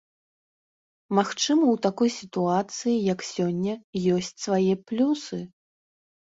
Магчыма, у такой сітуацыі, як сёння, ёсць свае плюсы?